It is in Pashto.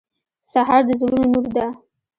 سهار د زړونو نور ده.